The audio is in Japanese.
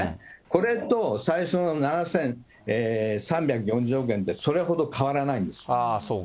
これと最初の７３４０億円って、それほど変わらないんです。